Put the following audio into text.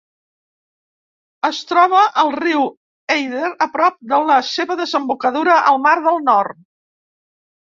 Es troba al riu Eider a prop de la seva desembocadura al mar del Nord.